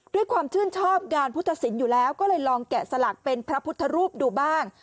ด้วยความชื่นชอบงานพุทธศิลป์อยู่แล้วก็เลยลองแกะสลักเป็นพระพุทธรูปดูบ้าง